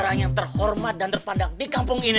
orang yang terhormat dan terpandang di kampung ini